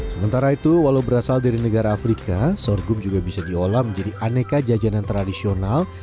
sementara itu walau berasal dari negara afrika sorghum juga bisa diolah menjadi aneka jajanan tradisional